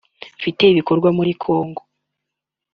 mfite ibikorwa muri Congo